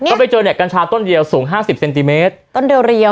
ก็ไปเจอกัญชาต้นเดี่ยวสูง๕๐เซนติเมตร